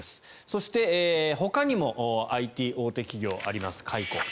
そして、ほかにもＩＴ大手企業あります、解雇。